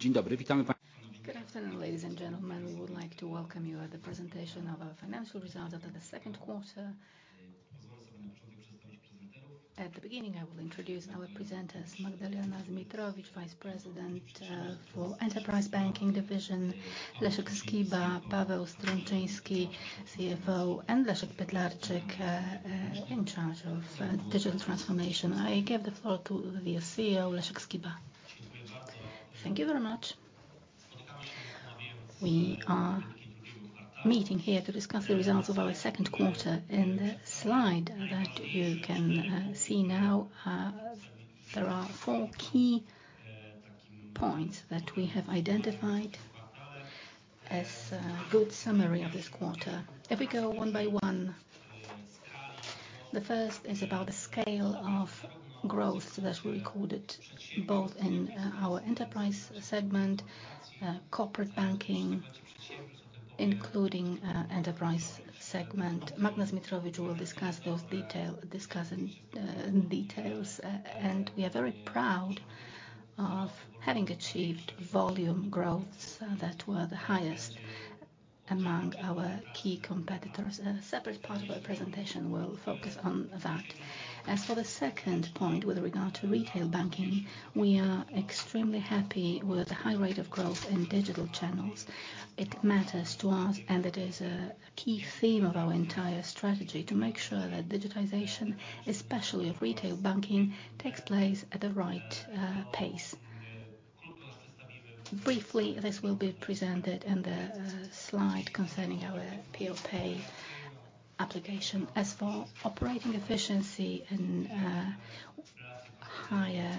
Dzień dobry. Good afternoon, ladies and gentlemen. We would like to welcome you at the presentation of our financial results after the Q2. At the beginning, I will introduce our presenters, Magdalena Zmitrowicz, Vice President for Enterprise Banking Division, Leszek Skiba, Paweł Strączyński, CFO, and Ernest Pytlarczyk in charge of digital transformation. I give the floor to the CEO, Leszek Skiba. Thank you very much. We are meeting here to discuss the results of our Q2. In the slide that you can see now, there are four key points that we have identified as a good summary of this quarter. If we go one by one, the first is about the scale of growth that we recorded, both in our enterprise segment, corporate banking, including enterprise segment. Magda Zmitrowicz will discuss in details. We are very proud of having achieved volume growths that were the highest among our key competitors. A separate part of our presentation will focus on that. As for the second point, with regard to retail banking, we are extremely happy with the high rate of growth in digital channels. It matters to us, and it is a key theme of our entire strategy to make sure that digitization, especially of retail banking, takes place at the right pace. Briefly, this will be presented in the slide concerning our PeoPay application. As for operating efficiency and higher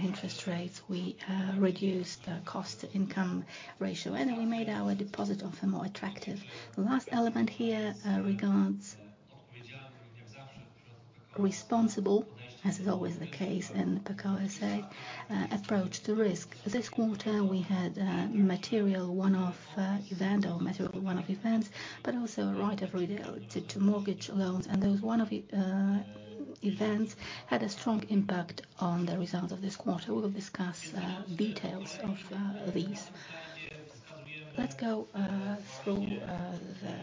interest rates, we reduced the cost-to-income ratio, and then we made our deposit offer more attractive. The last element here regards responsible, as is always the case in Pekao S.A., approach to risk. This quarter, we had material one-off event or material one-off events, but also a write-off related to mortgage loans. Those one-off events had a strong impact on the results of this quarter. We will discuss details of these. Let's go through the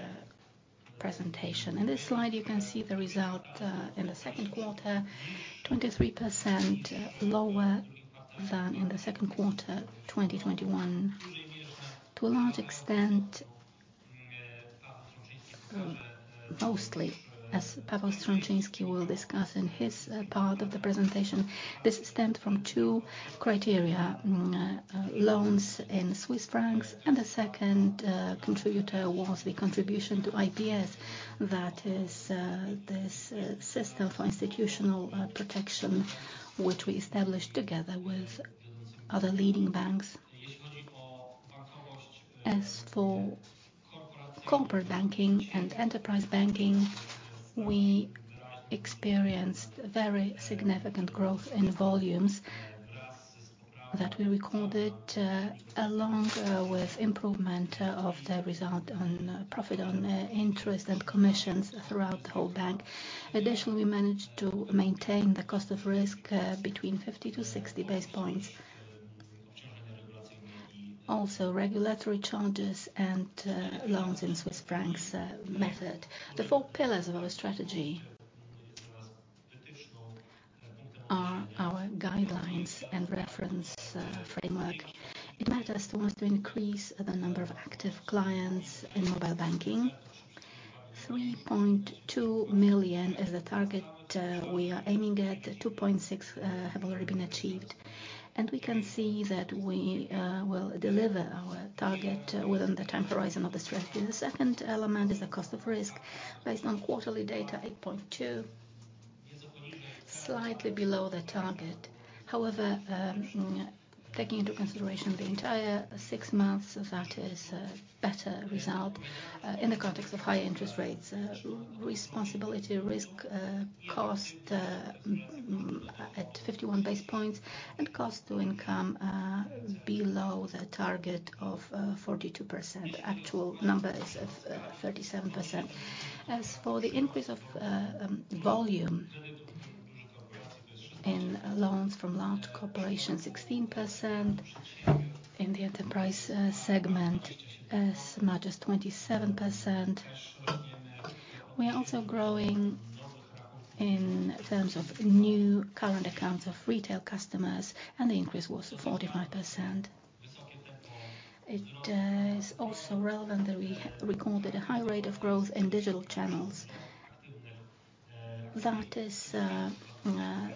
presentation. In this slide, you can see the result in the Q2, 23% lower than in the Q2, 2021. To a large extent, mostly, as Paweł Strączyński will discuss in his part of the presentation, this stemmed from two criteria, loans in Swiss francs, and the second contributor was the contribution to IPS, that is, this Institutional Protection Scheme, which we established together with other leading banks. As for corporate banking and enterprise banking, we experienced very significant growth in volumes that we recorded, along with improvement of the result on profit on interest and commissions throughout the whole bank. Additionally, we managed to maintain the cost of risk between 50-60 base points. Also, regulatory charges and loans in Swiss francs method. The 4 pillars of our strategy are our guidelines and reference framework. It matters to us to increase the number of active clients in mobile banking. 3.2 million is the target we are aiming at. 2.6 million have already been achieved. We can see that we will deliver our target within the time horizon of the strategy. The second element is the cost of risk. Based on quarterly data, 8.2, slightly below the target. However, taking into consideration the entire six months, that is a better result in the context of high interest rates. Cost of risk at 51 basis points and cost-to-income below the target of 42%. Actual number is at 37%. As for the increase in volume in loans to large corporations, 16%. In the enterprise segment, as much as 27%. We are also growing in terms of new current accounts of retail customers, and the increase was 45%. It is also relevant that we recorded a high rate of growth in digital channels. That is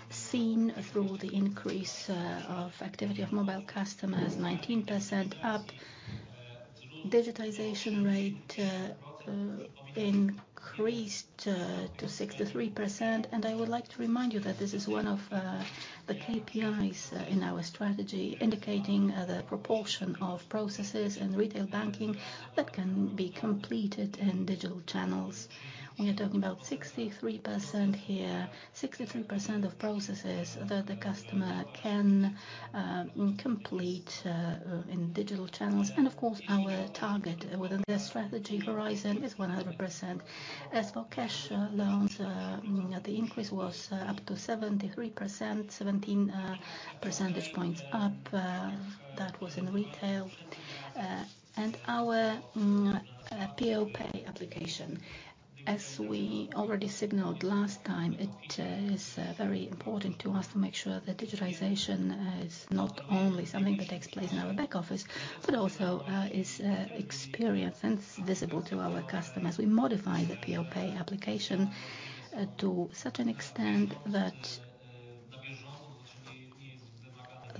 seen through the increase of activity of mobile customers, 19% up. Digitization rate increased to 63%. I would like to remind you that this is one of the KPIs in our strategy indicating the proportion of processes in retail banking that can be completed in digital channels. We are talking about 63% here. 63% of processes that the customer can complete in digital channels. Of course, our target within the strategy horizon is 100%. As for cash loans, the increase was up to 73%, 17 percentage points up, that was in retail. Our PeoPay application. As we already signaled last time, it is very important to us to make sure that digitization is not only something that takes place in our back office, but also is experienced and visible to our customers. We modify the PeoPay application to such an extent that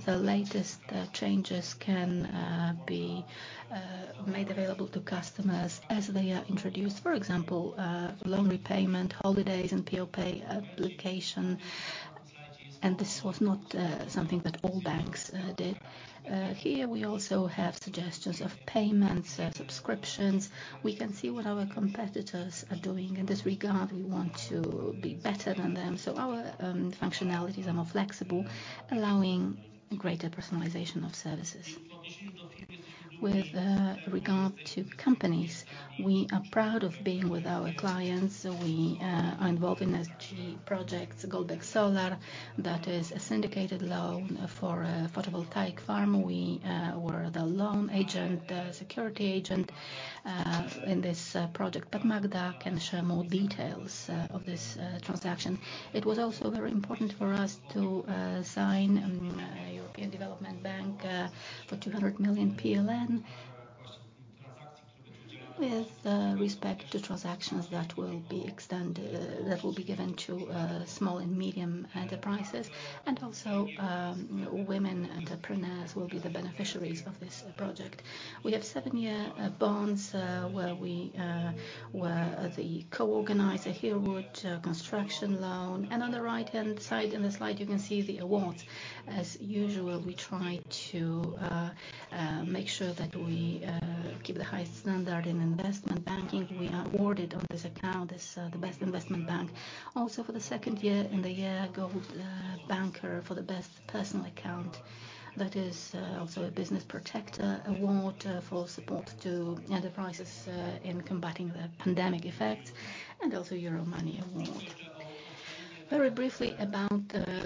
the latest changes can be made available to customers as they are introduced. For example, loan repayment holidays and PeoPay application. This was not something that all banks did. Here we also have suggestions of payments, subscriptions. We can see what our competitors are doing. In this regard, we want to be better than them, so our functionalities are more flexible, allowing greater personalization of services. With regard to companies, we are proud of being with our clients. We are involved in ESG projects, Goldbeck Solar, that is a syndicated loan for a photovoltaic farm. We were the loan agent, the security agent in this project. Magda can share more details of this transaction. It was also very important for us to sign the European Bank for Reconstruction and Development for PLN 200 million. With respect to transactions that will be given to small and medium enterprises. Also, women entrepreneurs will be the beneficiaries of this project. We have seven-year bonds where we were the co-organizer here with construction loan. On the right-hand side in the slide, you can see the awards. As usual, we try to make sure that we keep the highest standard in investment banking. We are awarded on this account as the best investment bank. Also for the second year in a row, Złoty Bankier for the best personal account. That is also a Business Protector Award for support to enterprises in combating the pandemic effect and also Euromoney Award. Very briefly about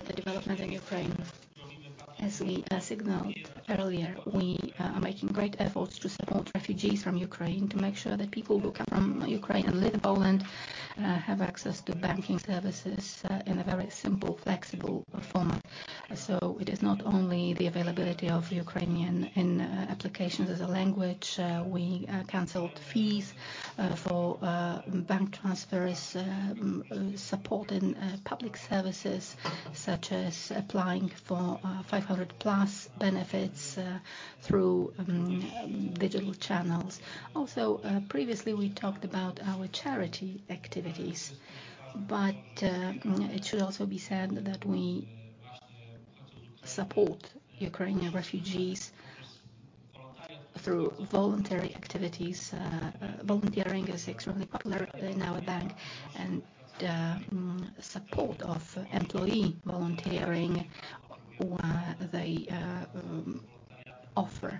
the development in Ukraine. As we signaled earlier, we are making great efforts to support refugees from Ukraine to make sure that people who come from Ukraine and live in Poland have access to banking services in a very simple, flexible format. It is not only the availability of Ukrainian in applications as a language. We canceled fees for bank transfers, support in public services such as applying for 500+ benefits through digital channels. Also, previously we talked about our charity activities, but it should also be said that we support Ukrainian refugees through voluntary activities. Volunteering is extremely popular in our bank. Support of employee volunteering where they offer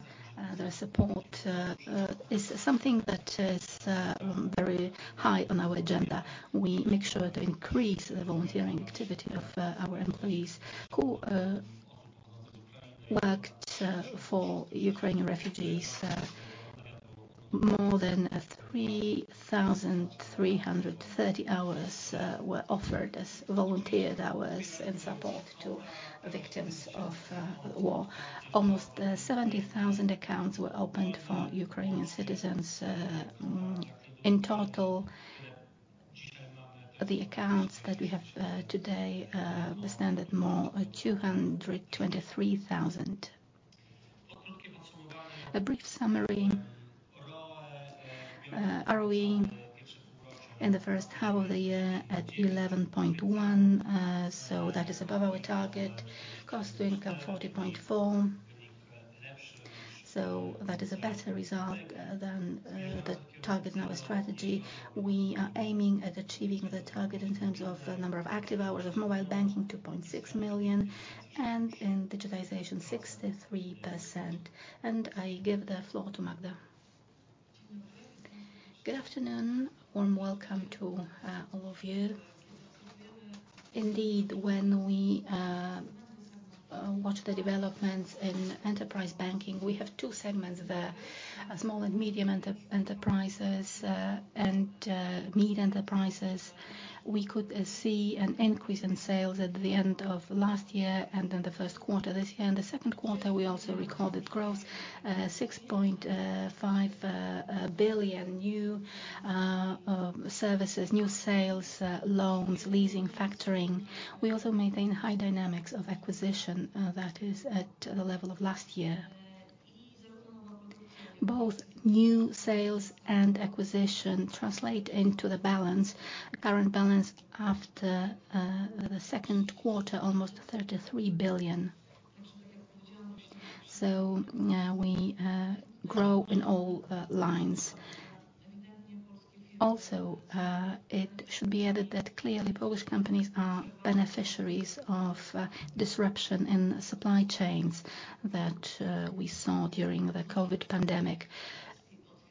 their support is something that is very high on our agenda. We make sure to increase the volunteering activity of our employees who worked for Ukrainian refugees. More than 3,330 hours were offered as volunteer hours in support to victims of war. Almost 70,000 accounts were opened for Ukrainian citizens. In total, the accounts that we have today stand at more than 223,000. A brief summary. ROE in the first half of the year at 11.1%. That is above our target. Cost-to-income 40.4%. That is a better result than the target in our strategy. We are aiming at achieving the target in terms of the number of active hours of mobile banking, 2.6 million, and in digitization, 63%. I give the floor to Magda. Good afternoon. Warm welcome to all of you. Indeed, when we watch the developments in enterprise banking, we have two segments there, small and medium enterprises, and mid-enterprises. We could see an increase in sales at the end of last year and in the Q1 this year. In the Q2, we also recorded growth, 6.5 billion new services, new sales, loans, leasing, factoring. We also maintain high dynamics of acquisition, that is at the level of last year. Both new sales and acquisition translate into the balance. Current balance after the Q2, almost 33 billion. We grow in all lines. Also, it should be added that clearly Polish companies are beneficiaries of disruption in supply chains that we saw during the COVID pandemic.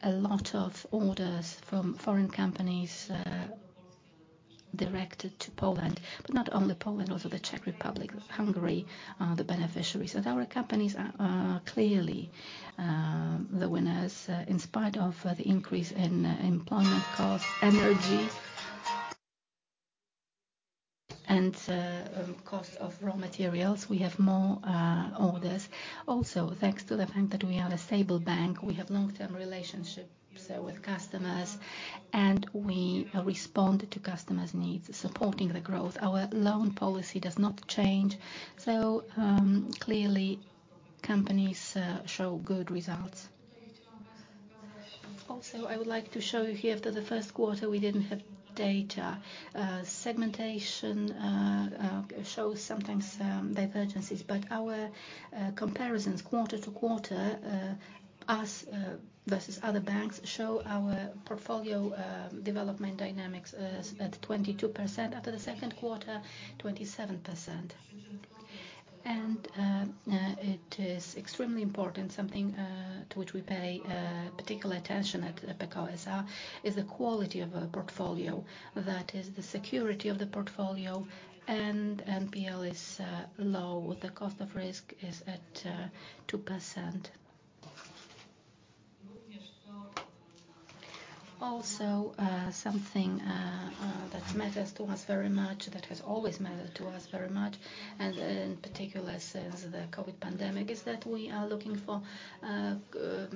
A lot of orders from foreign companies directed to Poland, but not only Poland, also the Czech Republic, Hungary are the beneficiaries. Our companies are clearly the winners in spite of the increase in employment costs, energy and cost of raw materials, we have more orders. Also, thanks to the fact that we are a stable bank, we have long-term relationships with customers and we respond to customers' needs, supporting the growth. Our loan policy does not change. Clearly companies show good results. I would like to show you here that the Q1 we didn't have data. Segmentation shows sometimes divergences, but our quarter-to-quarter comparisons us versus other banks show our portfolio development dynamics is at 22%, after the Q2, 27%. It is extremely important, something to which we pay particular attention at Pekao S.A., is the quality of our portfolio. That is the security of the portfolio and NPL is low. The cost of risk is at 2%. Something that matters to us very much, that has always mattered to us very much, and in particular since the COVID pandemic, is that we are looking for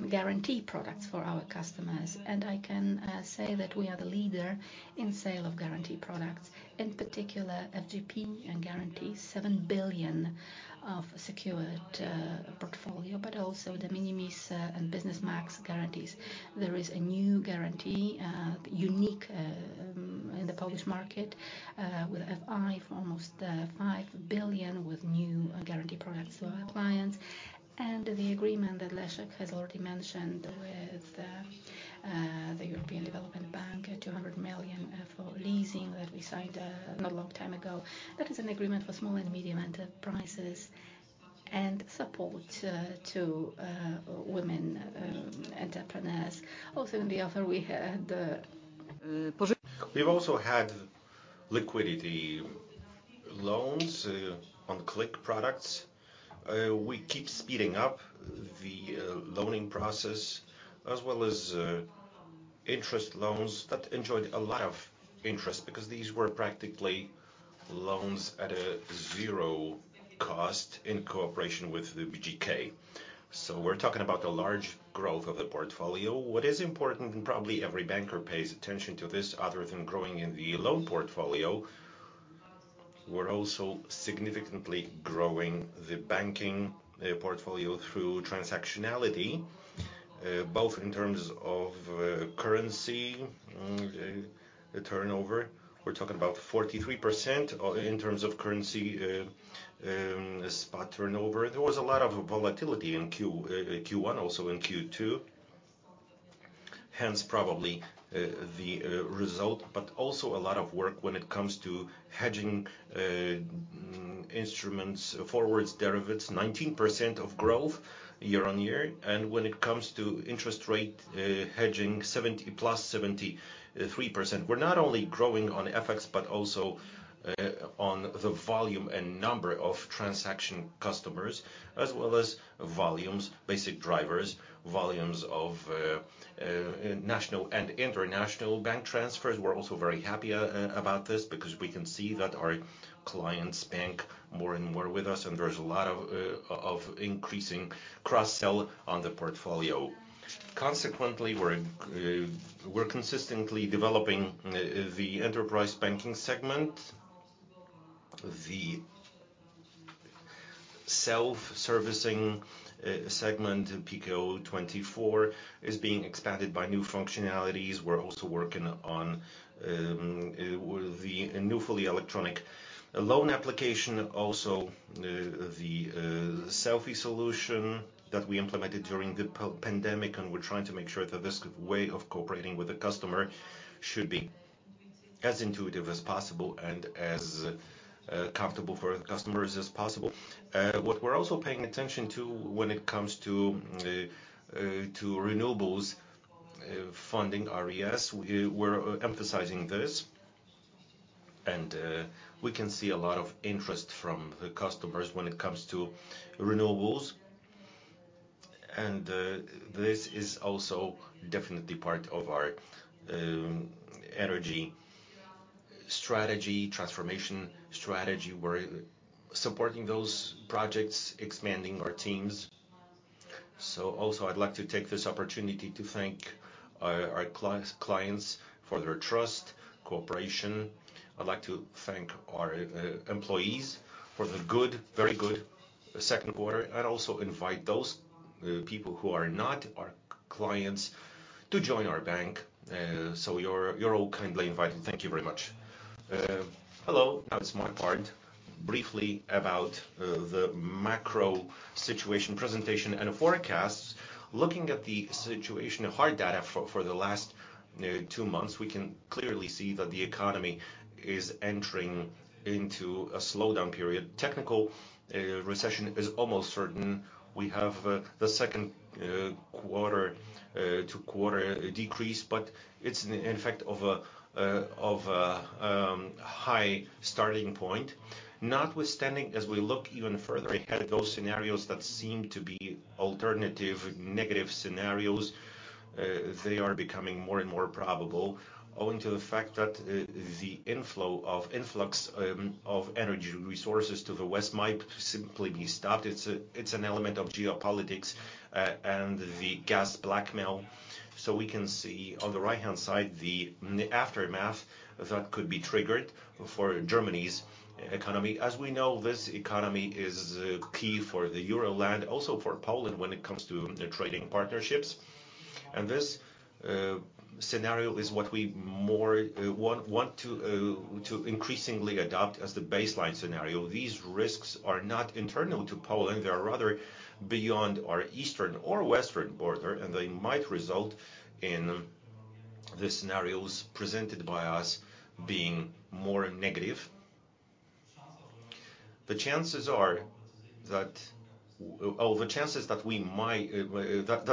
guarantee products for our customers. I can say that we are the leader in sale of guarantee products, in particular FG POIG and guarantees, 7 billion of secured portfolio, but also the de minimis and Biznesmax guarantees. There is a new guarantee, unique, in the Polish market, with EIF for almost 5 billion with new guarantee products for our clients. The agreement that Leszek has already mentioned with the European Bank for Reconstruction and Development at 200 million for leasing that we signed not long time ago. That is an agreement for small and medium enterprises and support to women entrepreneurs. Also in the offer we had Pożyczka. We've also had liquidity loans, on click products. We keep speeding up the loaning process as well as interest loans that enjoyed a lot of interest because these were practically loans at zero cost in cooperation with the BGK. We're talking about the large growth of the portfolio. What is important, and probably every banker pays attention to this, other than growing in the loan portfolio, we're also significantly growing the banking portfolio through transactionality, both in terms of currency, the turnover. We're talking about 43% in terms of currency spot turnover. There was a lot of volatility in Q1, also in Q2, hence probably the result, but also a lot of work when it comes to hedging instruments, forwards, derivatives, 19% of growth year-on-year. When it comes to interest rate hedging, 70 + 73%. We're not only growing on FX, but also on the volume and number of transaction customers as well as volumes, basic drivers, volumes of national and international bank transfers. We're also very happy about this because we can see that our clients bank more and more with us and there's a lot of increasing cross-sell on the portfolio. Consequently, we're consistently developing the enterprise banking segment. The self-servicing segment, Pekao24, is being expanded by new functionalities. We're also working on with the newly electronic loan application. The selfie solution that we implemented during the pandemic, and we're trying to make sure that this way of cooperating with the customer should be as intuitive as possible and as comfortable for the customers as possible. What we're also paying attention to when it comes to renewables funding, RES, we're emphasizing this. We can see a lot of interest from the customers when it comes to renewables. This is also definitely part of our energy strategy, transformation strategy. We're supporting those projects, expanding our teams. I'd like to take this opportunity to thank our clients for their trust, cooperation. I'd like to thank our employees for the very good Q2, and also invite those people who are not our clients to join our bank. You're all kindly invited. Thank you very much. Hello, that was my part. Briefly about the macro situation presentation and forecasts. Looking at the situation of hard data for the last two months, we can clearly see that the economy is entering into a slowdown period. Technical recession is almost certain. We have the Q2-to-quarter decrease, but it's in effect of a high starting point. Notwithstanding as we look even further ahead, those scenarios that seem to be alternative negative scenarios, they are becoming more and more probable owing to the fact that the influx of energy resources to the West might simply be stopped. It's an element of geopolitics and the gas blackmail. We can see on the right-hand side the aftermath that could be triggered for Germany's economy. As we know, this economy is key for Euroland, also for Poland when it comes to their trading partnerships. This scenario is what we more want to increasingly adopt as the baseline scenario. These risks are not internal to Poland. They are rather beyond our eastern or western border, and they might result in the scenarios presented by us being more negative. The chances are that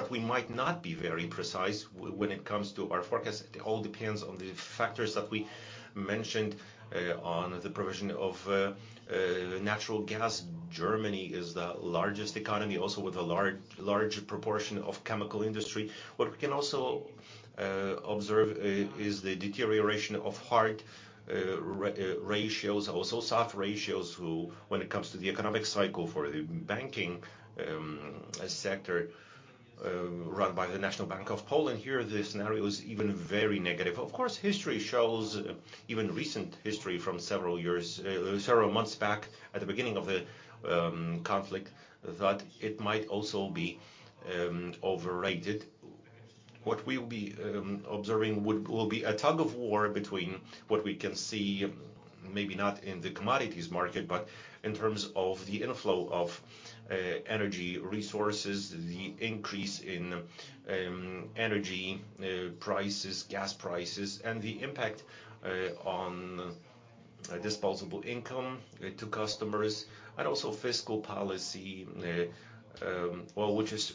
we might not be very precise when it comes to our forecast. It all depends on the factors that we mentioned on the provision of natural gas. Germany is the largest economy also with a large proportion of chemical industry. What we can also observe is the deterioration of hard ratios, also soft ratios which when it comes to the economic cycle for the banking sector run by the National Bank of Poland, here the scenario is even very negative. Of course, history shows, even recent history from several years, several months back at the beginning of the conflict, that it might also be overrated. What we'll be observing will be a tug-of-war between what we can see, maybe not in the commodities market, but in terms of the inflow of energy resources, the increase in energy prices, gas prices, and the impact on disposable income to customers, and also fiscal policy, well, which is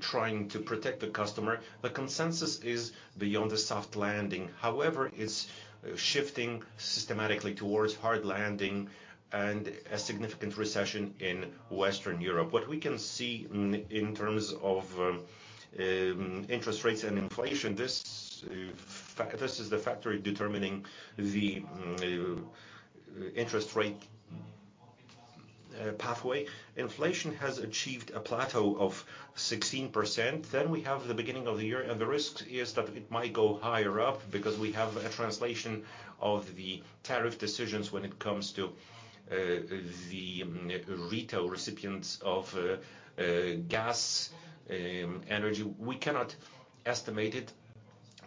trying to protect the customer. The consensus is beyond the soft landing. However, it's shifting systematically towards hard landing and a significant recession in Western Europe. What we can see in terms of interest rates and inflation, this is the factor determining the interest rate pathway. Inflation has achieved a plateau of 16%. Then we have the beginning of the year, and the risk is that it might go higher up because we have a translation of the tariff decisions when it comes to the retail recipients of gas, energy. We cannot estimate it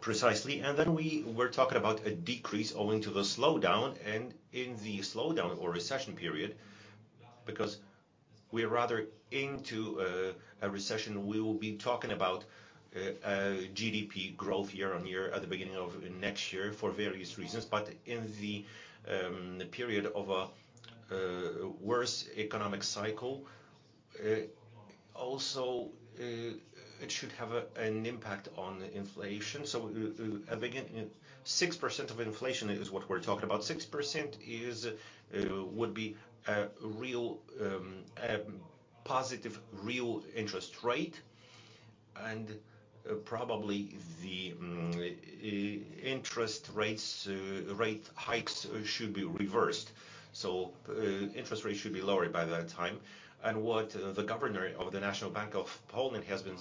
precisely. Then we were talking about a decrease owing to the slowdown and in the slowdown or recession period, because we're rather into a recession. We will be talking about GDP growth year-over-year at the beginning of next year for various reasons. In the period of a worse economic cycle, also, it should have an impact on inflation. 6% of inflation is what we're talking about. 6% would be a real positive real interest rate, and probably the interest rate hikes should be reversed. Interest rates should be lowered by that time. What the governor of the National Bank of Poland has been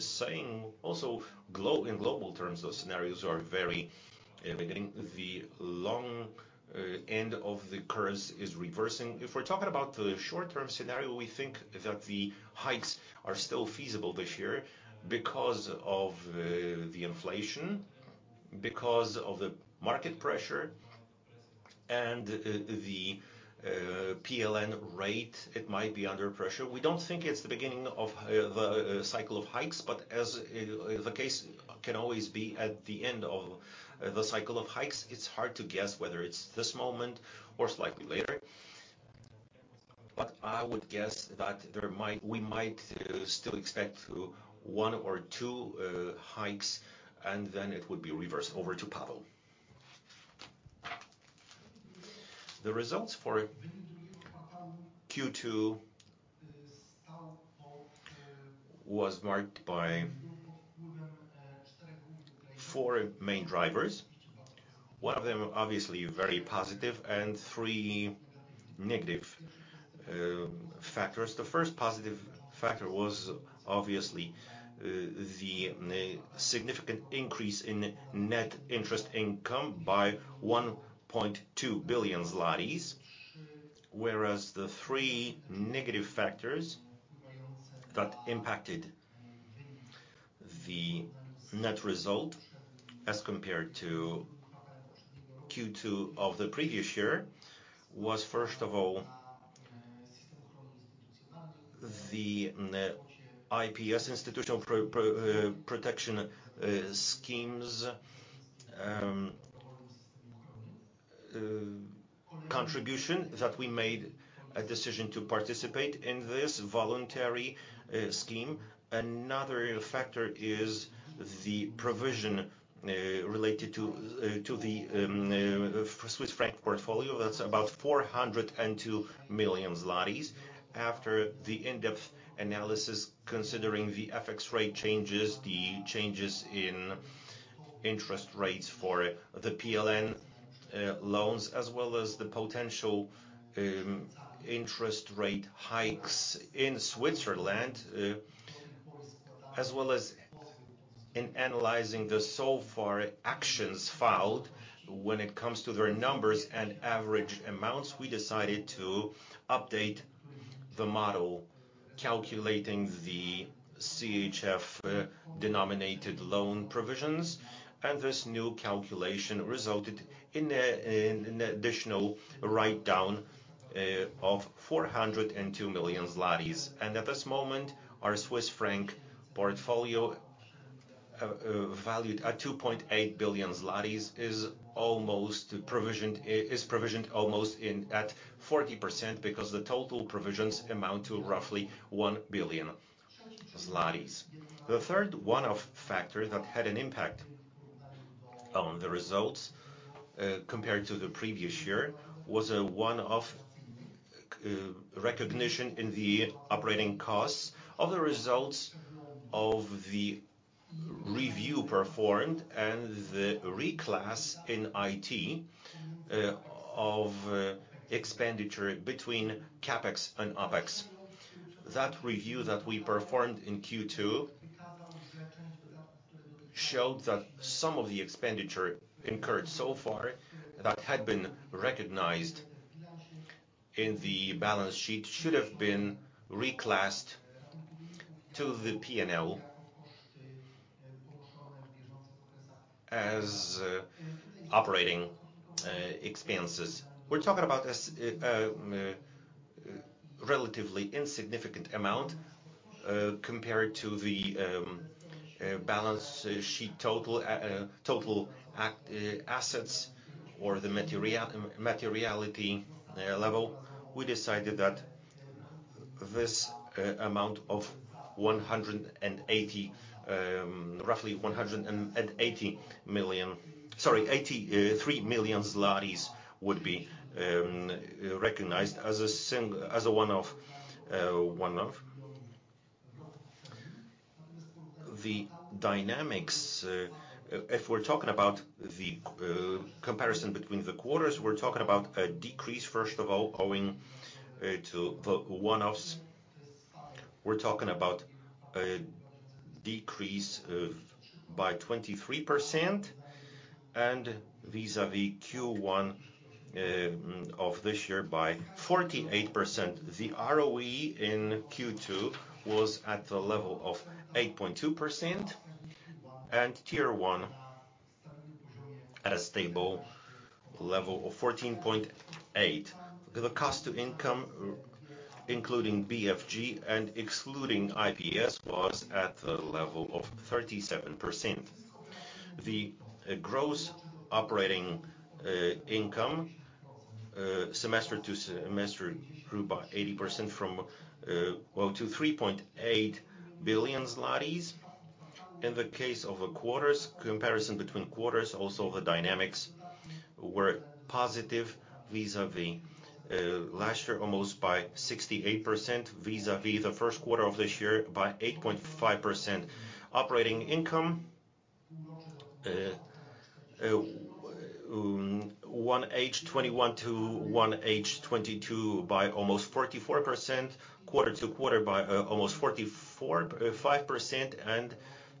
saying also in global terms, those scenarios are very benign. The long end of the curve is reversing. If we're talking about the short-term scenario, we think that the hikes are still feasible this year because of the inflation, because of the market pressure and the PLN rate, it might be under pressure. We don't think it's the beginning of the cycle of hikes, but as the case can always be at the end of the cycle of hikes, it's hard to guess whether it's this moment or slightly later. I would guess that we might still expect one or two hikes and then it would be reversed. Over to Paweł. The results for Q2 was marked by four main drivers. One of them obviously very positive and three negative factors. The first positive factor was obviously the significant increase in net interest income by 1.2 billion zlotys, whereas the three negative factors that impacted the net result as compared to Q2 of the previous year was, first of all, the net IPS institutional protection schemes contribution that we made a decision to participate in this voluntary scheme. Another factor is the provision related to the Swiss franc portfolio. That's about 402 million zlotys. After the in-depth analysis considering the FX rate changes, the changes in interest rates for the PLN loans, as well as the potential interest rate hikes in Switzerland, as well as in analyzing the so far actions filed when it comes to their numbers and average amounts, we decided to update the model calculating the CHF denominated loan provisions, and this new calculation resulted in additional write-down of 402 million. At this moment, our Swiss franc portfolio valued at 2.8 billion zlotys is provisioned almost at 40% because the total provisions amount to roughly 1 billion zlotys. The third one-off factor that had an impact on the results compared to the previous year was the recognition in the operating costs of the results of the review performed and the reclass in IT of expenditure between CapEx and OpEx. That review that we performed in Q2 showed that some of the expenditure incurred so far that had been recognized in the balance sheet should have been reclassed to the P&L as operating expenses. We're talking about a relatively insignificant amount compared to the balance sheet total assets or the materiality level. We decided that this amount of roughly 180 million. Sorry, 83 million would be recognized as a one-off. The dynamics, if we're talking about the comparison between the quarters, we're talking about a decrease, first of all, owing to the one-offs. We're talking about a decrease of 23% and vis-à-vis Q1 of this year by 48%. The ROE in Q2 was at the level of 8.2% and Tier 1 at a stable level of 14.8%. The cost to income, including BFG and excluding IPS, was at the level of 37%. The gross operating income semester to semester grew by 80% from, well, to 3.8 billion zlotys. In the case of quarters, comparison between quarters, also the dynamics were positive vis-à-vis last year almost by 68%, vis-à-vis the Q1 of this year by 8.5%. Operating income, 1H 2021 to 1H 2022 by almost 44%, quarter to quarter by almost 45%, and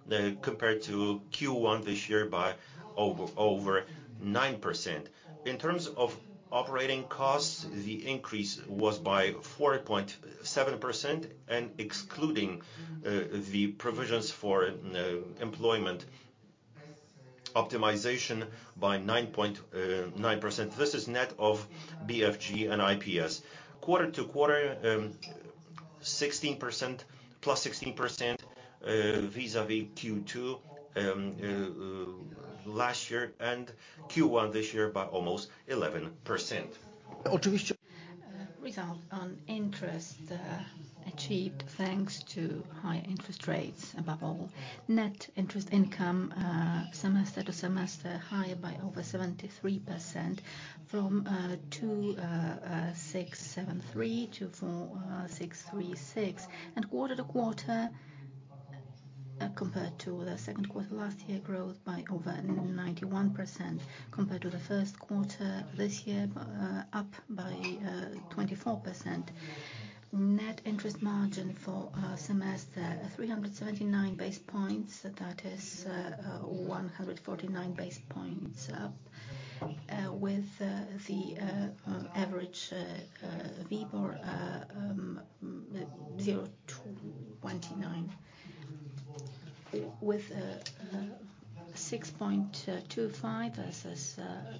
then compared to Q1 this year by over 9%. In terms of operating costs, the increase was by 4.7% and excluding the provisions for employment optimization by 9.9%. This is net of BFG and IPS. Quarter to quarter, 16% +16% vis-à-vis Q2 last year, and Q1 this year by almost 11%. Result on interest achieved thanks to high interest rates above all. Net interest income semester to semester higher by over 73% from 2,673 to 4,636. Quarter to quarter, compared to the Q2 last year, growth by over 91%, compared to the Q1 this year, up by 24%. Net interest margin for our semester, 379 basis points. That is, 149 basis points up. With the average WIBOR 0-29 with 6.25 versus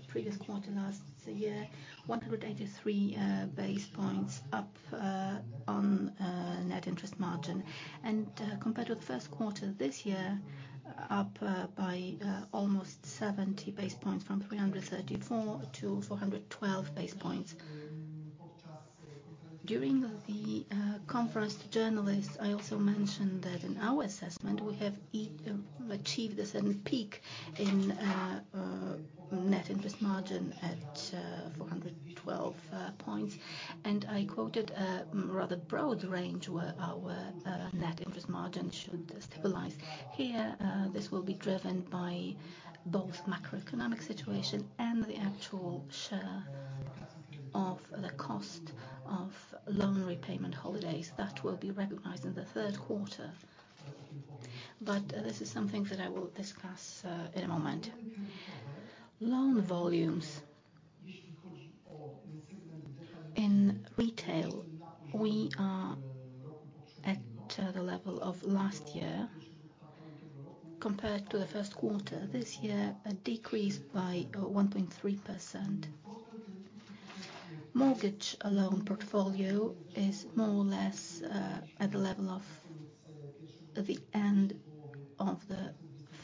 previous quarter last year, 183 basis points up on net interest margin. Compared to the Q1 this year, up by almost 70 base points from 334 to 412 base points. During the conference to journalists, I also mentioned that in our assessment we have achieved a certain peak in net interest margin at 412 points. I quoted a rather broad range where our net interest margin should stabilize. This will be driven by both macroeconomic situation and the actual share of the cost of loan repayment holidays that will be recognized in the Q3. This is something that I will discuss in a moment. Loan volumes. In retail, we are at the level of last year. Compared to the Q1 this year, a decrease by 1.3%. Mortgage loan portfolio is more or less at the level of the end of the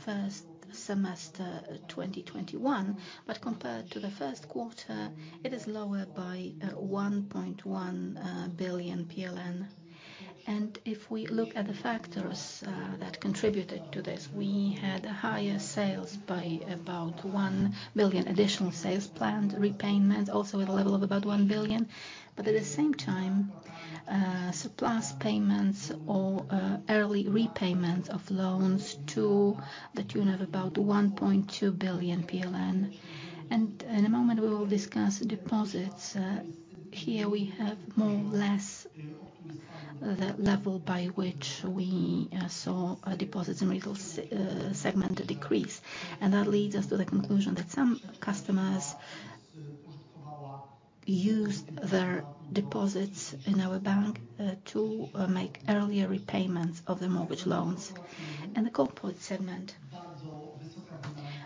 first semester 2021. Compared to the Q1, it is lower by 1.1 billion PLN. If we look at the factors that contributed to this, we had higher sales by about 1 billion additional sales planned, repayment also at a level of about 1 billion. At the same time, surplus payments or early repayments of loans to the tune of about 1.2 billion PLN. In a moment we will discuss deposits. Here we have more or less the level by which we saw deposits in retail segment decrease. That leads us to the conclusion that some customers used their deposits in our bank to make earlier repayments of their mortgage loans. In the corporate segment,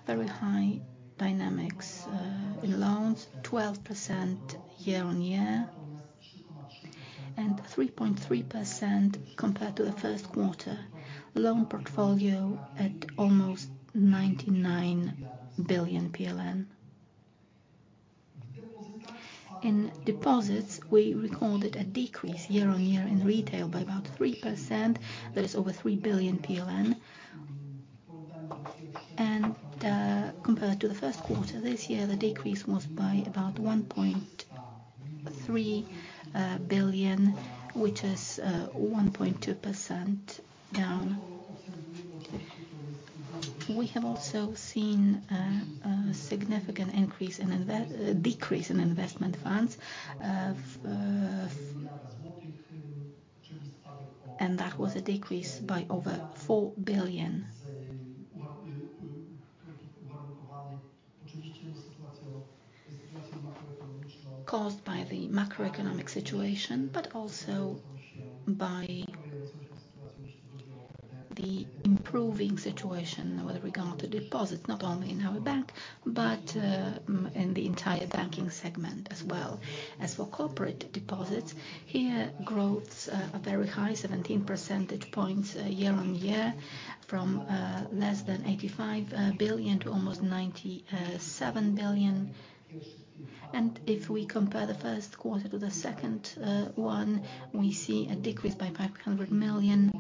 very high dynamics in loans, 12% year-on-year and 3.3% compared to the Q1. Loan portfolio at almost PLN 99 billion. In deposits, we recorded a decrease year-on-year in retail by about 3%. That is over 3 billion PLN. Compared to the Q1 this year, the decrease was by about 1.3 billion, which is 1.2% down. We have also seen a significant decrease in investment funds of over PLN 4 billion. Caused by the macroeconomic situation, but also by the improving situation with regard to deposits, not only in our bank, but in the entire banking segment as well. As for corporate deposits, here growth's very high, 17 percentage points year-on-year from less than 85 billion to almost 97 billion. If we compare the Q1 to the second one, we see a decrease by 500 million,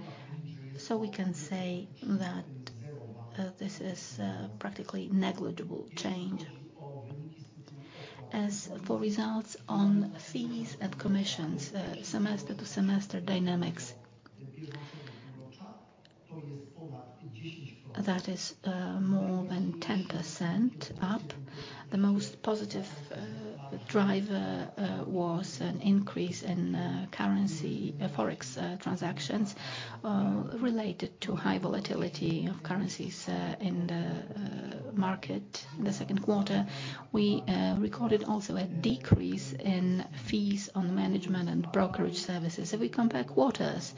so we can say that this is practically negligible change. As for results on fees and commissions, semester-to-semester dynamics, that is more than 10% up. The most positive driver was an increase in currency Forex transactions related to high volatility of currencies in the market in the Q2. We also recorded a decrease in fees on management and brokerage services. If we compare quarters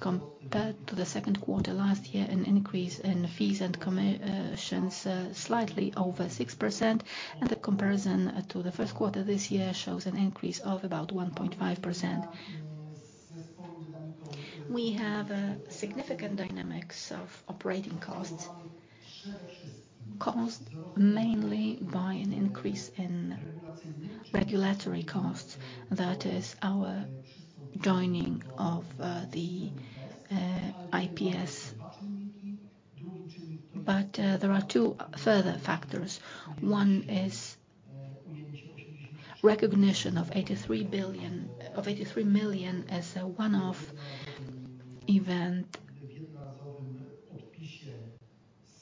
compared to the Q2 last year, an increase in fees and commissions slightly over 6%. The comparison to the Q1 this year shows an increase of about 1.5%. We have significant dynamics of operating costs caused mainly by an increase in regulatory costs. That is our joining of the IPS. There are two further factors. One is recognition of 83 million as a one-off event.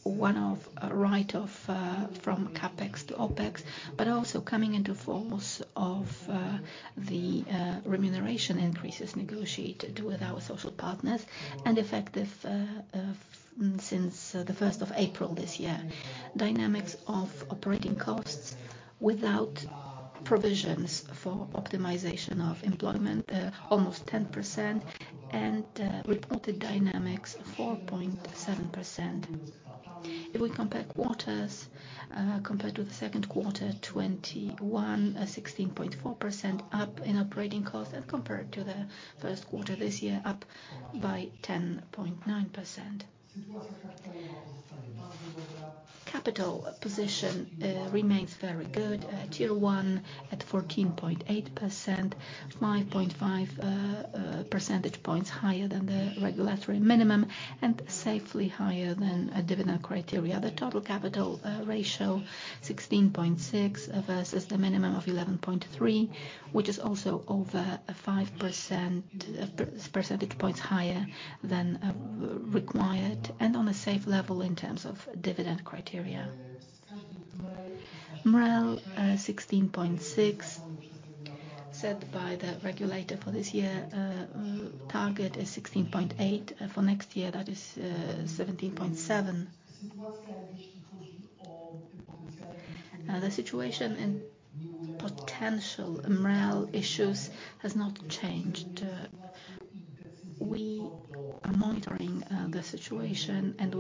One-off write off from CapEx to OpEx, but also coming into force of the remuneration increases negotiated with our social partners and effective since the first of April this year. Dynamics of operating costs without provisions for optimization of employment almost 10% and reported dynamics 4.7%. If we compare quarters, compared to the Q2, 2021, 16.4% up in operating costs and compared to the Q1 this year up by 10.9%. Capital position remains very good. Tier 1 at 14.8%, 5.5 percentage points higher than the regulatory minimum and safely higher than a dividend criteria. The total capital ratio 16.6 versus the minimum of 11.3, which is also over five percentage points higher than required and on a safe level in terms of dividend criteria. MREL 16.6, set by the regulator for this year, target is 16.8. For next year, that is, 17.7. The situation in potential MREL issues has not changed.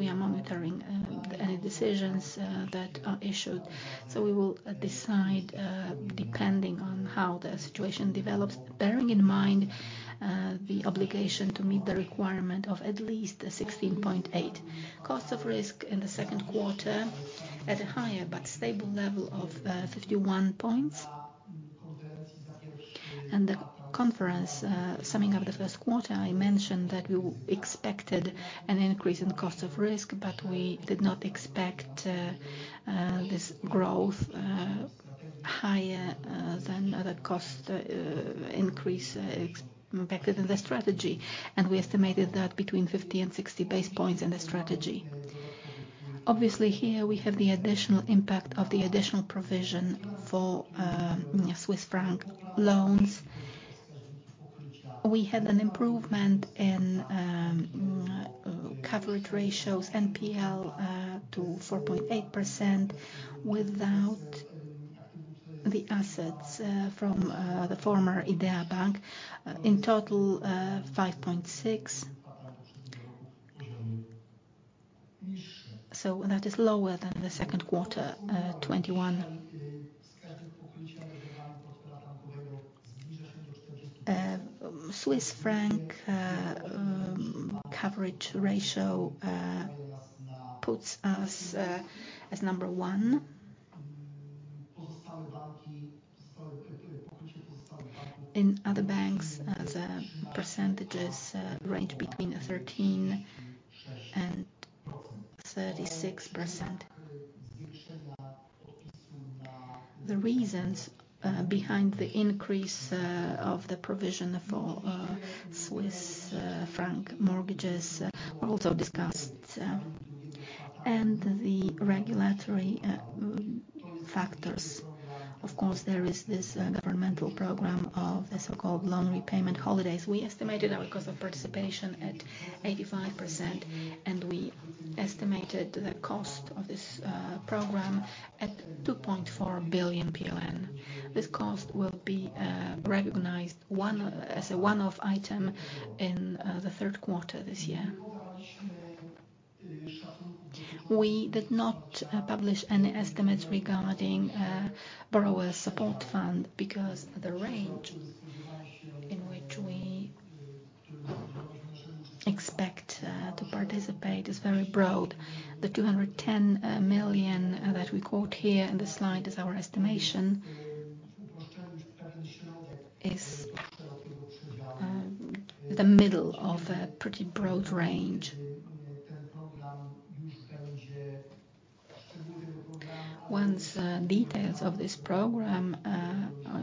We are monitoring the situation and any decisions that are issued. We will decide depending on how the situation develops, bearing in mind the obligation to meet the requirement of at least 16.8. Cost of risk in the Q2 at a higher but stable level of 51 points. The conference summing up the Q1, I mentioned that we expected an increase in cost of risk, but we did not expect this growth higher than other costs increase expected in the strategy. We estimated that between 50 and 60 basis points in the strategy. Obviously, here we have the additional impact of the additional provision for Swiss franc loans. We had an improvement in coverage ratios NPL to 4.8% without the assets from the former Idea Bank. In total 5.6%. That is lower than the Q2 2021. Swiss franc coverage ratio puts us as number one. In other banks, as percentages range between 13%-36%. The reasons behind the increase of the provision for Swiss franc mortgages were also discussed and the regulatory factors. Of course, there is this governmental program of the so-called loan repayment holidays. We estimated our cost of participation at 85%, and we estimated the cost of this program at 2.4 billion PLN. This cost will be recognized as a one-off item in the Q3 this year. We did not publish any estimates regarding Borrowers' Support Fund because the range in which we expect to participate is very broad. The 210 million that we quote here in the slide is our estimation, the middle of a pretty broad range. Once details of this program,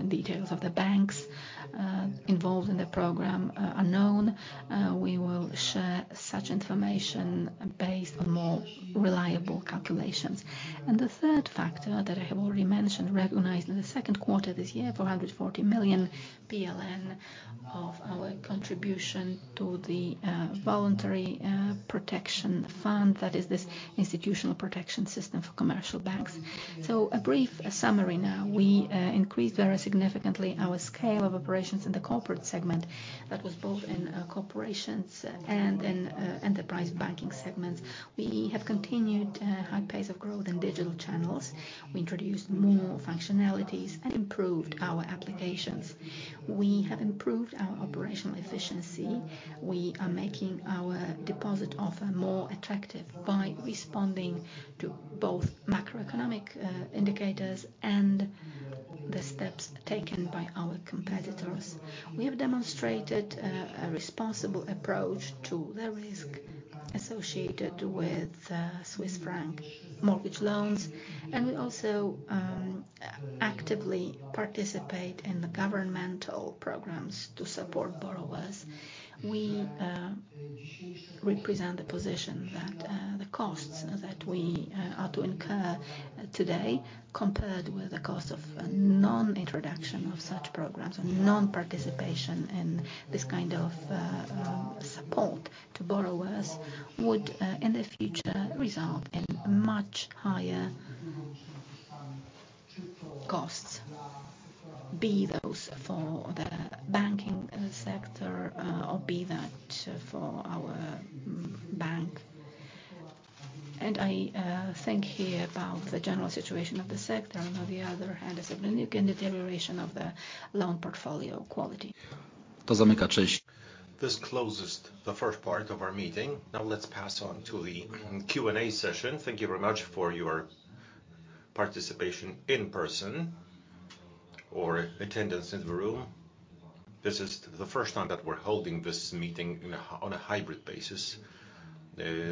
details of the banks involved in the program are known, we will share such information based on more reliable calculations. The third factor that I have already mentioned, recognized in the Q2 this year, 440 million PLN of our contribution to the voluntary protection fund, that is this Institutional Protection Scheme for commercial banks. A brief summary now. We increased very significantly our scale of operations in the corporate segment. That was both in corporations and in enterprise banking segments. We have continued high pace of growth in digital channels. We introduced more functionalities and improved our applications. We have improved our operational efficiency. We are making our deposit offer more attractive by responding to both macroeconomic indicators and the steps taken by our competitors. We have demonstrated a responsible approach to the risk associated with Swiss franc mortgage loans. We also actively participate in the governmental programs to support borrowers. We represent the position that the costs that we are to incur today compared with the cost of Non-introduction of such programs and non-participation in this kind of support to borrowers would in the future result in much higher costs, be those for the banking sector, or be that for our bank. I think here about the general situation of the sector. On the other hand, a significant deterioration of the loan portfolio quality. This closes the first part of our meeting. Now let's pass on to the Q&A session. Thank you very much for your participation in person or attendance in the room. This is the first time that we're holding this meeting on a hybrid basis,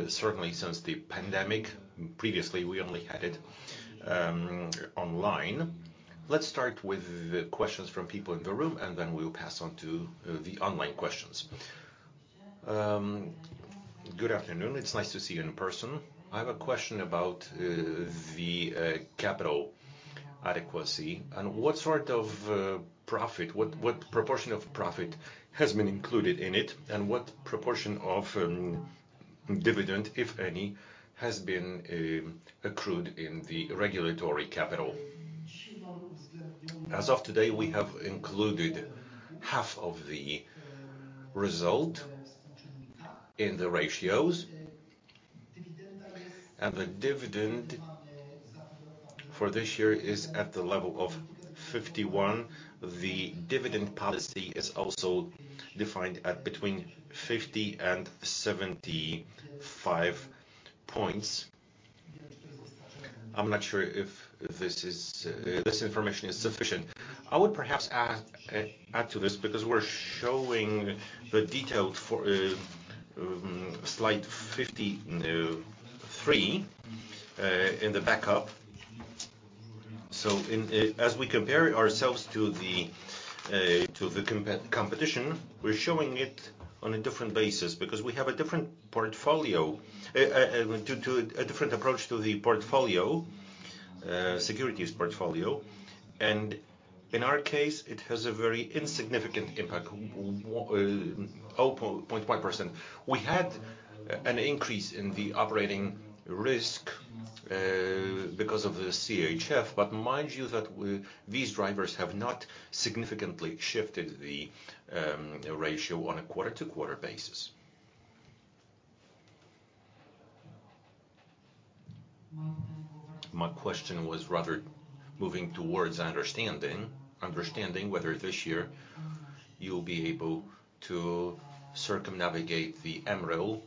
certainly since the pandemic. Previously, we only had it online. Let's start with the questions from people in the room, and then we'll pass on to the online questions. Good afternoon. It's nice to see you in person. I have a question about the capital adequacy and what sort of profit, what proportion of profit has been included in it, and what proportion of dividend, if any, has been accrued in the regulatory capital. As of today, we have included half of the result in the ratios. The dividend for this year is at the level of 51. The dividend policy is also defined at between 50 and 75 points. I'm not sure if this information is sufficient. I would perhaps add to this, because we're showing the details for Slide 53 in the backup. In, as we compare ourselves to the competition, we're showing it on a different basis because we have a different portfolio. Due to a different approach to the portfolio, securities portfolio, and in our case, it has a very insignificant impact, well, 0.1%. We had an increase in the operational risk because of the CHF. Mind you that these drivers have not significantly shifted the ratio on a quarter-to-quarter basis. My question was rather moving towards understanding whether this year you'll be able to circumnavigate the MREL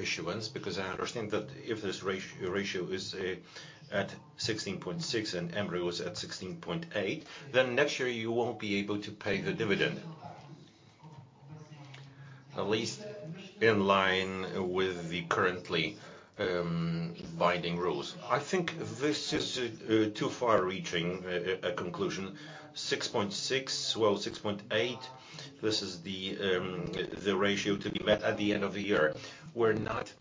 issuance. Because I understand that if this ratio is at 16.6% and MREL is at 16.8%, then next year you won't be able to pay the dividend. At least in line with the currently binding rules. I think this is too far-reaching a conclusion. 6.6, well, 6.8, this is the ratio to be met at the end of the year. We're not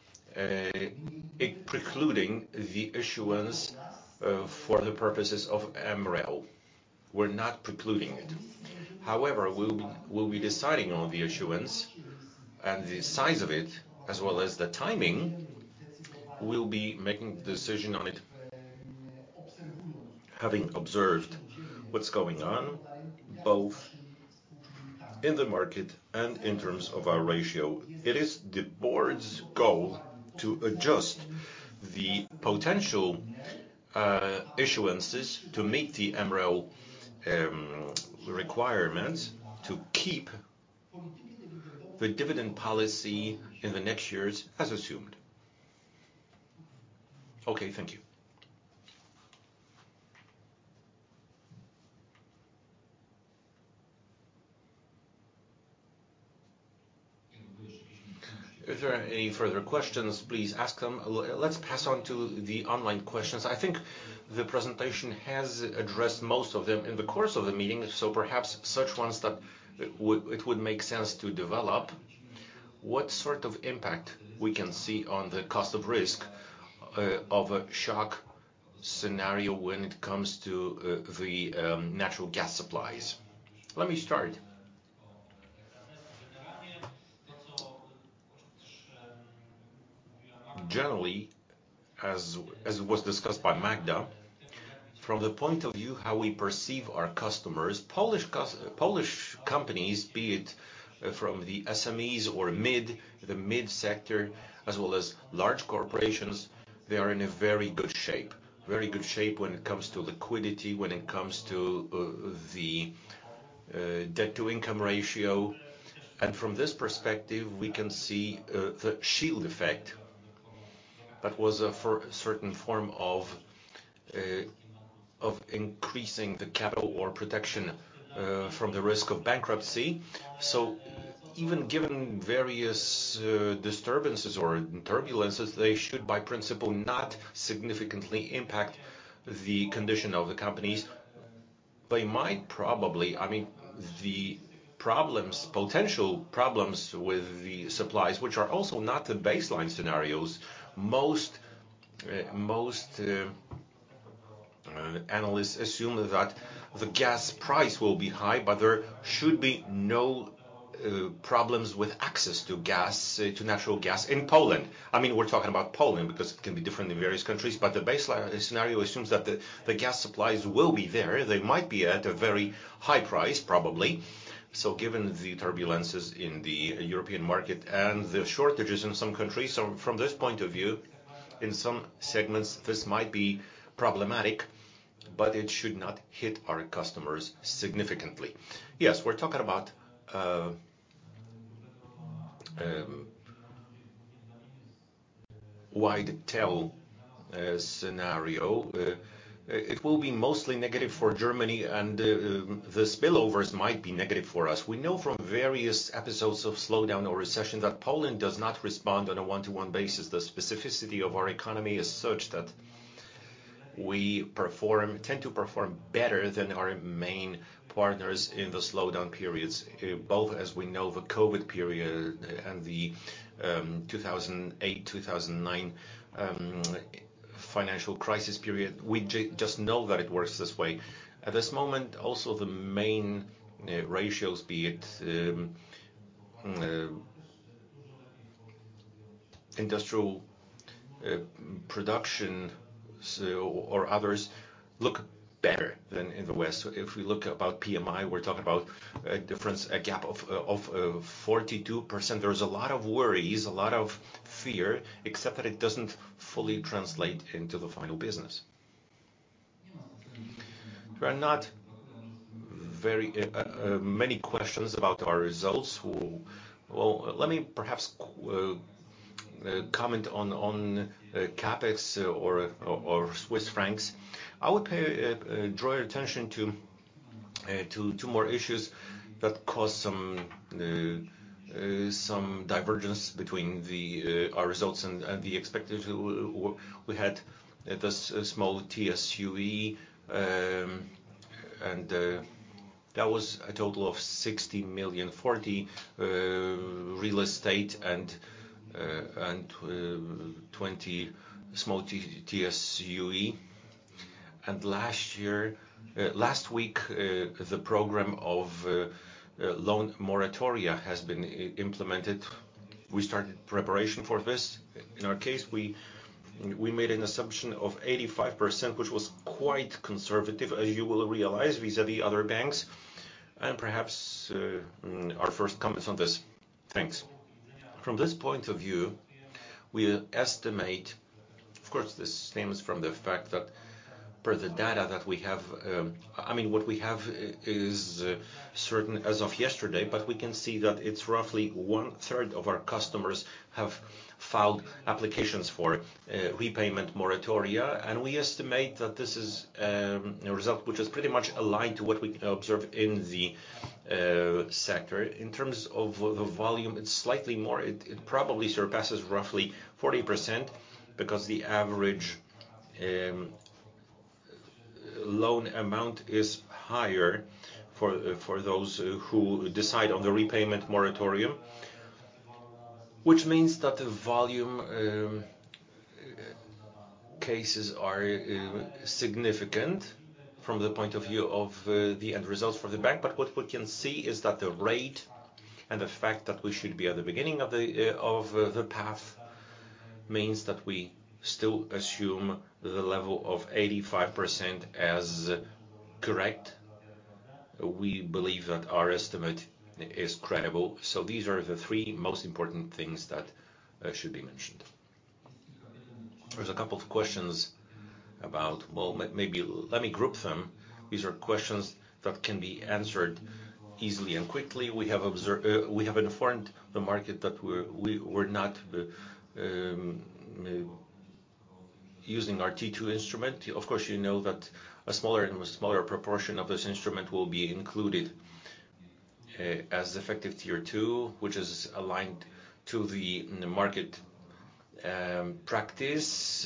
precluding the issuance for the purposes of MREL. We're not precluding it. However, we'll be deciding on the issuance and the size of it as well as the timing. We'll be making the decision on it, having observed what's going on, both in the market and in terms of our ratio. It is the board's goal to adjust the potential issuances to meet the MREL requirements to keep the dividend policy in the next years as assumed. Okay. Thank you. If there are any further questions, please ask them. Let's pass on to the online questions. I think the presentation has addressed most of them in the course of the meeting, so perhaps it would make sense to develop what sort of impact we can see on the cost of risk of a shock scenario when it comes to the natural gas supplies. Let me start. Generally, as was discussed by Magda, from the point of view how we perceive our customers, Polish companies, be it from the SMEs or the mid-sector as well as large corporations, they are in a very good shape. Very good shape when it comes to liquidity, when it comes to the debt-to-income ratio. From this perspective, we can see the shield effect that was for certain form of increasing the capital or protection from the risk of bankruptcy. Even given various disturbances or turbulences, they should, by principle, not significantly impact the condition of the companies. They might probably, I mean, the problems, potential problems with the supplies, which are also not the baseline scenarios. Most analysts assume that the gas price will be high, but there should be no problems with access to gas, to natural gas in Poland. I mean, we're talking about Poland because it can be different in various countries. The baseline scenario assumes that the gas supplies will be there. They might be at a very high price probably, so given the turbulences in the European market and the shortages in some countries. From this point of view, in some segments, this might be problematic, but it should not hit our customers significantly. Yes, we're talking about wide tail scenario. It will be mostly negative for Germany, and the spillovers might be negative for us. We know from various episodes of slowdown or recession that Poland does not respond on a one-to-one basis. The specificity of our economy is such that we tend to perform better than our main partners in the slowdown periods, both as we know the COVID period and the 2008, 2009 financial crisis period. We just know that it works this way. At this moment, also the main ratios, be it industrial production or others, look better than in the West. If we look at PMI, we're talking about a difference, a gap of 42%. There's a lot of worries, a lot of fear, except that it doesn't fully translate into the final business. There are not very many questions about our results. Well, let me perhaps comment on CapEx or Swiss francs. I would like to draw your attention to more issues that caused some divergence between our results and the expectations we had at the small TSUE. That was a total of 60 million, 40 million real estate and 20 million small TSUE. Last week, the program of loan moratoria has been implemented. We started preparation for this. In our case, we made an assumption of 85%, which was quite conservative. You will realize vis-à-vis other banks and perhaps our first comments on this. Thanks. From this point of view, we estimate, of course, this stems from the fact that per the data that we have, I mean, what we have is certain as of yesterday. We can see that it's roughly one-third of our customers have filed applications for repayment moratoria. We estimate that this is a result which is pretty much aligned to what we observe in the sector. In terms of the volume, it's slightly more. It probably surpasses roughly 40% because the average loan amount is higher for those who decide on the repayment moratorium. Which means that the volume, cases are significant from the point of view of the end results for the bank. What we can see is that the rate and the fact that we should be at the beginning of the path means that we still assume the level of 85% as correct. We believe that our estimate is credible. These are the three most important things that should be mentioned. There's a couple of questions. Well, maybe let me group them. These are questions that can be answered easily and quickly. We have informed the market that we're not using our T2 instrument. Of course, you know that a smaller proportion of this instrument will be included as effective Tier 2, which is aligned to the market practice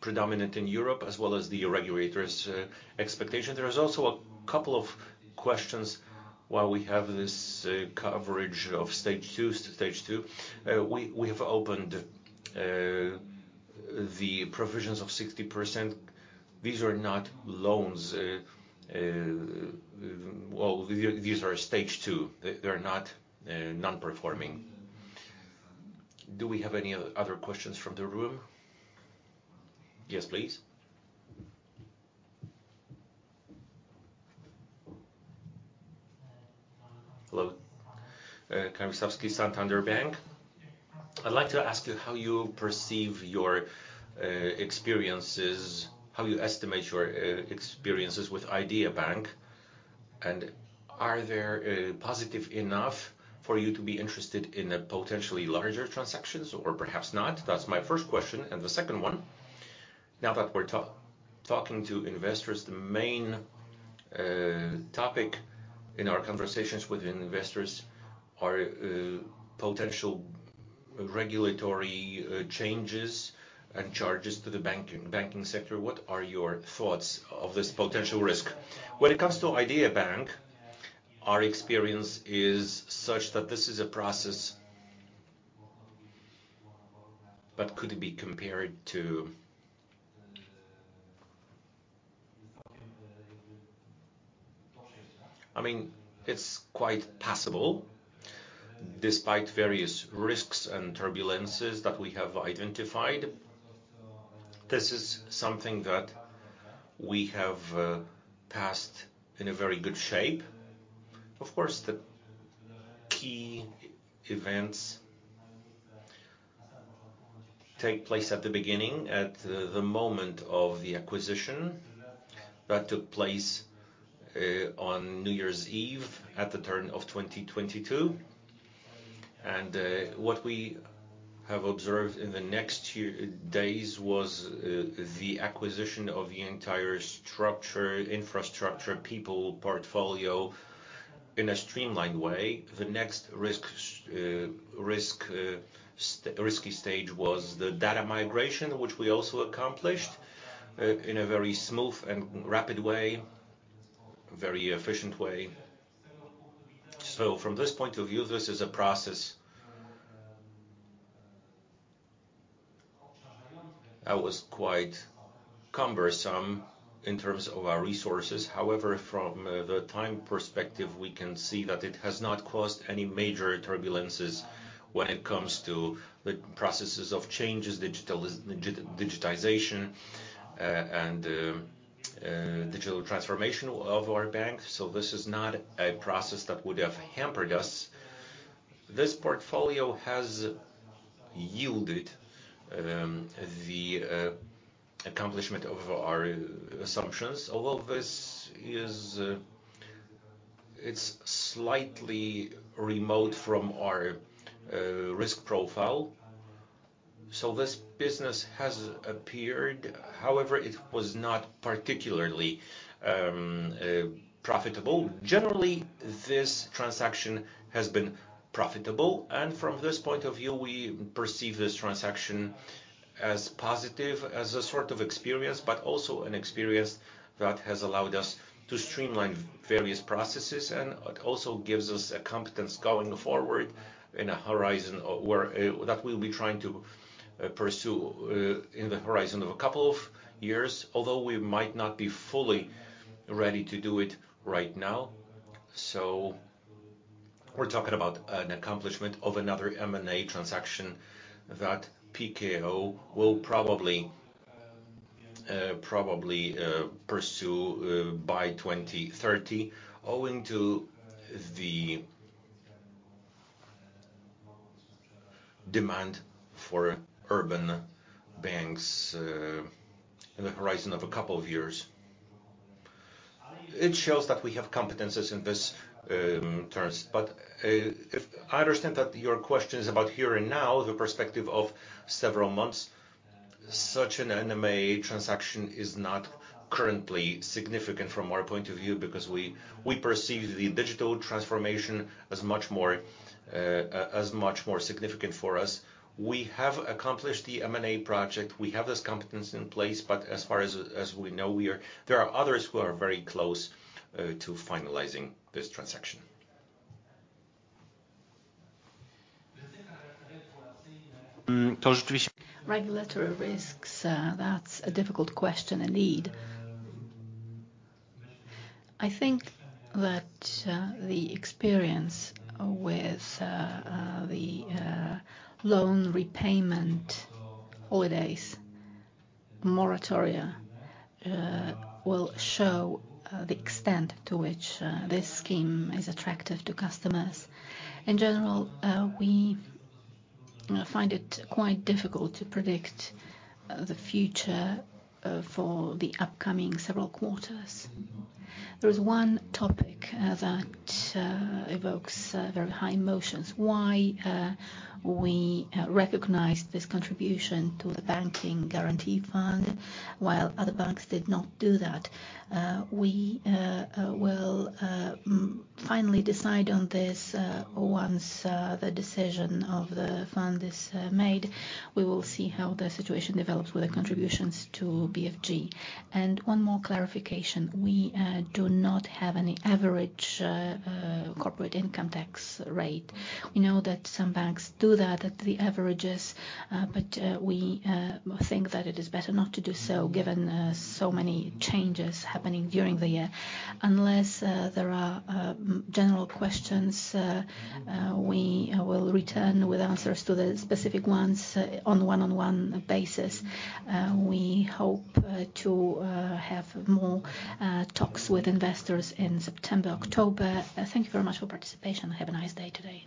predominant in Europe, as well as the regulators' expectation. There is also a couple of questions while we have this coverage of Stage 2. We have opened the provisions of 60%. These are not loans, well, these are Stage 2. They're not non-performing. Do we have any other questions from the room? Yes, please. Hello. Kamyszewski, Santander Bank. I'd like to ask you how you perceive your experiences, how you estimate your experiences with Idea Bank, and are there positive enough for you to be interested in a potentially larger transactions or perhaps not? That's my first question. The second one, now that we're talking to investors, the main topic in our conversations with investors are potential regulatory changes and charges to the banking sector. What are your thoughts of this potential risk? When it comes to Idea Bank, our experience is such that this is a process that could be compared to. I mean, it's quite possible, despite various risks and turbulences that we have identified, this is something that we have passed in a very good shape. Of course, the key events take place at the beginning, at the moment of the acquisition that took place on New Year's Eve at the turn of 2022. What we have observed in the next two days was the acquisition of the entire structure, infrastructure, people, portfolio in a streamlined way. The next risky stage was the data migration, which we also accomplished in a very smooth and rapid way, very efficient way. From this point of view, this is a process that was quite cumbersome in terms of our resources. However, from the time perspective, we can see that it has not caused any major turbulences when it comes to the processes of changes, digitization, and digital transformation of our bank. This is not a process that would have hampered us. This portfolio has yielded the accomplishment of our assumptions. Although this is, it's slightly remote from our risk profile. This business has appeared, however, it was not particularly profitable. Generally, this transaction has been profitable, and from this point of view, we perceive this transaction as positive, as a sort of experience, but also an experience that has allowed us to streamline various processes and it also gives us a competence going forward in a horizon or where that we'll be trying to pursue in the horizon of a couple of years, although we might not be fully ready to do it right now. We're talking about an accomplishment of another M&A transaction that PKO will probably pursue by 2030 owing to the demand for urban banks in the horizon of a couple of years. It shows that we have competencies in this terms. I understand that your question is about here and now, the perspective of several months. Such an M&A transaction is not currently significant from our point of view because we perceive the digital transformation as much more significant for us. We have accomplished the M&A project. We have this competence in place, but as far as we know, there are others who are very close to finalizing this transaction. Regulatory risks, that's a difficult question indeed. I think that the experience with the credit holidays moratoria will show the extent to which this scheme is attractive to customers. In general, we find it quite difficult to predict the future for the upcoming several quarters. There is one topic that evokes very high emotions. Why we recognized this contribution to the Banking Guarantee Fund, while other banks did not do that. We will finally decide on this once the decision of the fund is made. We will see how the situation develops with the contributions to BFG. One more clarification. We do not have any average corporate income tax rate. We know that some banks do that at the averages, but we think that it is better not to do so, given so many changes happening during the year. Unless there are general questions, we will return with answers to the specific ones on one-on-one basis. We hope to have more talks with investors in September, October. Thank you very much for participation. Have a nice day today.